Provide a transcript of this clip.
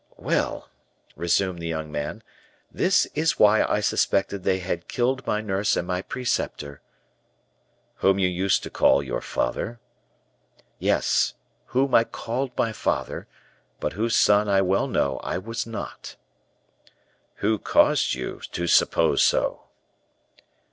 "Well," resumed the young man, "this is why I suspected they had killed my nurse and my preceptor " "Whom you used to call your father?" "Yes; whom I called my father, but whose son I well knew I was not." "Who caused you to suppose so?"